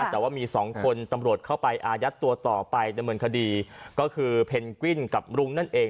แต่ว่ามีสองคนตำรวจเข้าไปอายัดตัวต่อไปดำเนินคดีก็คือเพนกวิ้นกับรุงนั่นเอง